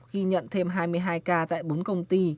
ghi nhận thêm hai mươi hai ca tại bốn công ty